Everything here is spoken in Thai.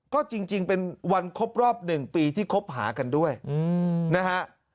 ก็จริงเป็นวันครบรอบ๑ปีที่คบหากันด้วยนะฮะ